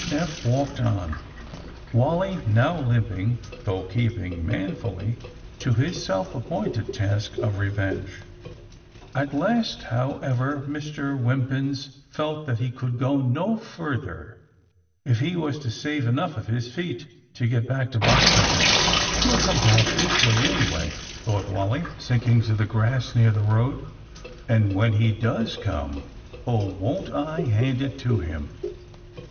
Eph walked on, Wally now limping though keeping manfully to his self appointed task of revenge. At last, however, Mr. Wimpins felt that he AND THE SMUGGLERS 181 could go no further, if he was to save enough of his feet to get back to Boxhaven. '* He '11 come back this way, anyway, '' thought "Wally, sinking to the grass near the road. ^^ And when he does come — oh, won't I hand it to him.